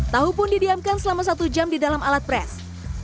tahu pun didiamkan selama satu jam di dalam alat pres